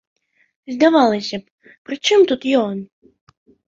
Здавалася б, пры чым тут ён?